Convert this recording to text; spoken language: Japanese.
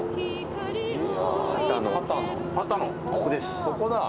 ここです。